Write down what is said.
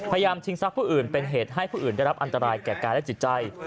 ชิงทรัพย์ผู้อื่นเป็นเหตุให้ผู้อื่นได้รับอันตรายแก่กายและจิตใจ